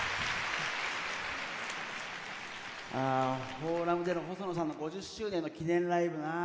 あフォーラムでの細野さんの５０周年の記念ライブなあ